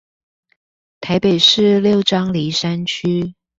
臺北市六張犁山區